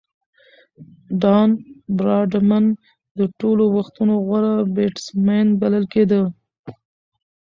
ډان براډمن د ټولو وختو غوره بيټسمېن بلل کیږي.